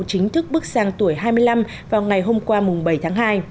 chính thức bước sang tuổi hai mươi năm vào ngày hôm qua bảy tháng hai